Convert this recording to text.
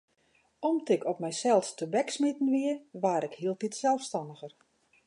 Om't ik op mysels tebeksmiten wie, waard ik hieltyd selsstanniger.